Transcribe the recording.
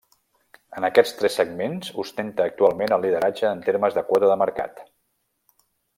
En aquests tres segments ostenta actualment el lideratge en termes de quota de mercat.